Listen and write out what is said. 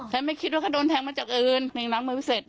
ฉันไม่คิดว่าเขาโดนแทงมาจากอื่นหนึ่งล้างมือเสร็จ